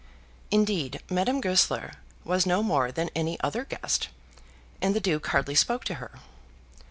Indeed Madame Goesler was no more than any other guest, and the Duke hardly spoke to her.